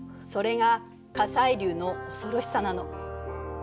それが火砕流の恐ろしさなの。